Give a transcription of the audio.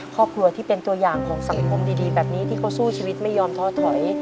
ครอบครัวที่เป็นตัวอย่างของสังคมดีแบบนี้ที่เขาสู้ชีวิตไม่ยอมท้อถอย